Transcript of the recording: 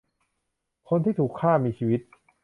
คนที่ถูกฆ่ามีชีวิต